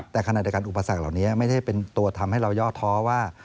แต่ขณะเดียวกันอุปสรรคเหล่านี้ไม่ได้เป็นตัวทำให้เราย่อท้อว่า